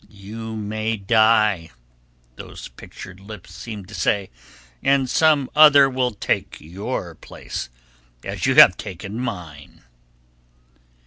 "You may die," those pictured lips seem to say, "and some other will take your place, as you have taken mine."